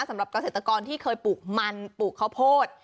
สำหรับเกษตรกรที่เคยปลูกมันปลูกข้าวโพด